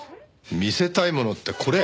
見せたいものってこれ？